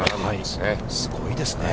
すごいですね。